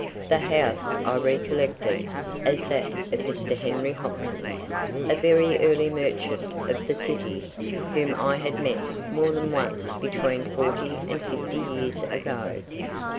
The house I recollected as that of Mr. Henry Hopkins, a very early merchant of the city, whom I had met more than once between forty and fifty years ago.